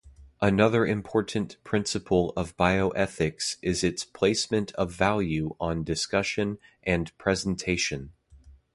Another important principle of bioethics is its placement of value on discussion and presentation.